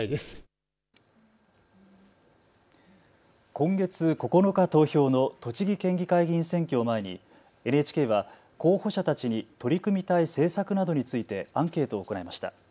今月９日投票の栃木県議会議員選挙を前にＮＨＫは候補者たちに取り組みたい政策などについてアンケートを行いました。